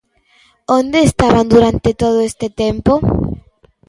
Onde estaban durante todo este tempo?